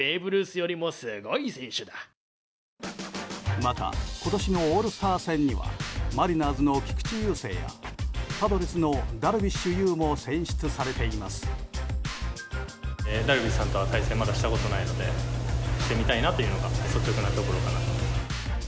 また今年のオールスター戦にはマリナーズの菊池雄星やパドレスのダルビッシュ有も選出されています。